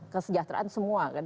kesejahteraan semua kan